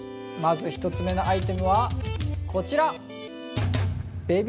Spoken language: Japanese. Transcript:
まず１つ目のアイテムはこちら！